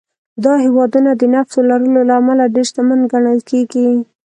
دا هېوادونه د نفتو لرلو له امله ډېر شتمن ګڼل کېږي.